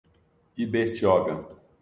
Ibertioga